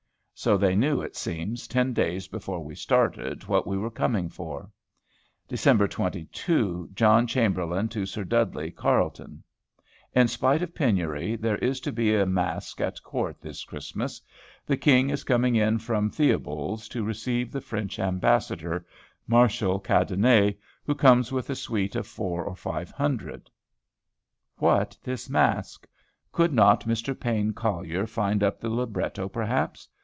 So they knew, it seems, ten days before we started, what we were coming for. Dec. 22. John Chamberlain to Sir Dudley Carleton. "In spite of penury, there is to be a masque at Court this Christmas. The King is coming in from Theobalds to receive the French Ambassador, Marshal Cadenet, who comes with a suite of 400 or 500." What was this masque? Could not Mr. Payne Collier find up the libretto, perhaps?